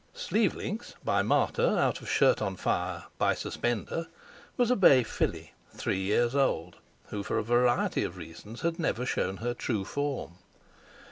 Sleeve links, by Martyr, out of Shirt on fire, by Suspender, was a bay filly, three years old, who for a variety of reasons had never shown her true form.